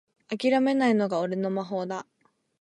あきらめないのが俺の魔法だ